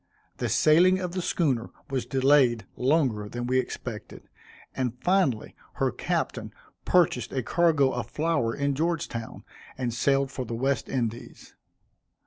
The sailing of the schooner was delayed longer than we expected; and, finally, her captain purchased a cargo of flour in Georgetown, and sailed for the West Indies.